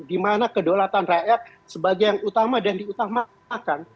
dimana kedaulatan rakyat sebagai yang utama dan diutamakan